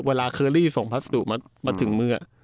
เคอรี่ส่งพัสดุมาถึงมือ